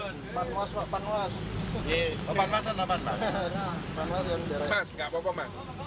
di tempat yang asli di jemaah